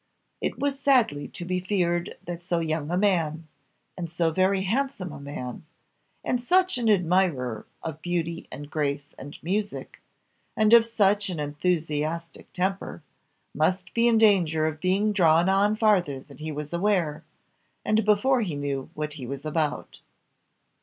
It was sadly to be feared that so young a man, and so very handsome a man, and such an admirer of beauty, and grace, and music, and of such an enthusiastic temper, must be in danger of being drawn on farther than he was aware, and before he knew what he was about.